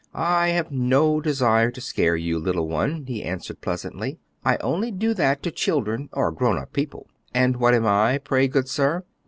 "I have no desire to scare you, little one," he answered pleasantly. "I only do that to children or grown up people." "And what am I, pray, good sir?"